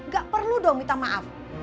gak perlu dong minta maaf